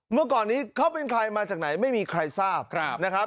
เมื่อก่อนนี้เขาเป็นใครมาจากไหนไม่มีใครทราบนะครับ